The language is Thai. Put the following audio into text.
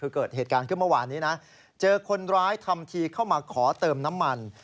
คือเกิดเหตุการณ์ขึ้นเมื่อวานนี้นะเจอคนร้ายทำทีเข้ามาขอเติมน้ำมัน